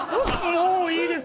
もういいです！